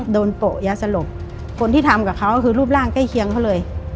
โปะยาสลบคนที่ทำกับเขาคือรูปร่างใกล้เคียงเขาเลย